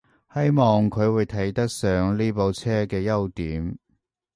希望佢會睇得上呢部車啲優點